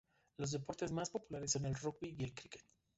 Los deportes más populares son el rugby y el cricket.